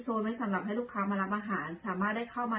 ไว้สำหรับให้ลูกค้ามารับอาหารสามารถได้เข้ามา